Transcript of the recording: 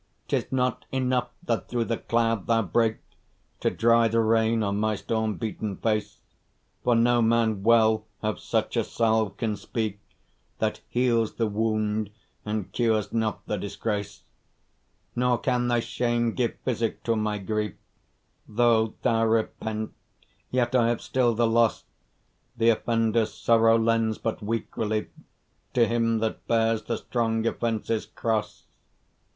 'Tis not enough that through the cloud thou break, To dry the rain on my storm beaten face, For no man well of such a salve can speak, That heals the wound, and cures not the disgrace: Nor can thy shame give physic to my grief; Though thou repent, yet I have still the loss: The offender's sorrow lends but weak relief To him that bears the strong offence's cross.